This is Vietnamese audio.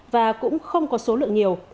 và cũng không có số lượng nhiều